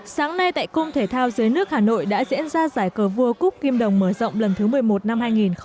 sáng nay tại cung thể thao dưới nước hà nội đã diễn ra giải cờ vua cúc kim đồng mở rộng lần thứ một mươi một năm hai nghìn một mươi chín